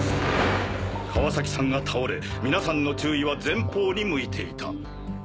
川崎さんが倒れ皆さんの注意は前方に向いていた。